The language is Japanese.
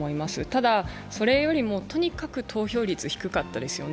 ただ、それよりも、とにかく投票率が低かったですよね。